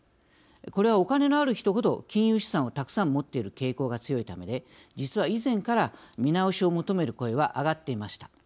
これは、お金のある人ほど金融資産をたくさん持っている傾向が強いためで実は以前から見直しを求める声は上がっていました。